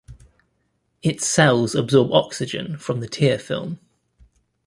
Its cells absorb oxygen from the tear film.